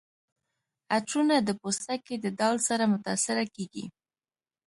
عطرونه د پوستکي د ډول سره متاثره کیږي.